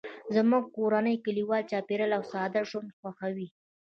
زموږ کورنۍ کلیوالي چاپیریال او ساده ژوند خوښوي